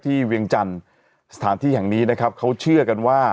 เวียงจันทร์สถานที่แห่งนี้นะครับเขาเชื่อกันว่า